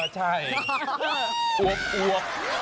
ใช่อวบ